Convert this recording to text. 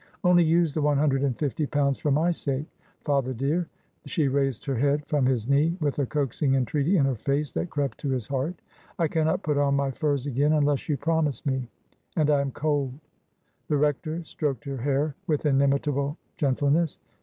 Only use the one hundred and fifly pounds for my sake. Father dear !"— she raised her head from his knee with a coaxing entreaty in her face that crept to his heart —" I cannot put on my furs again unless you promise me. And I am cold." The rector stroked her hair with inimitable gentleness.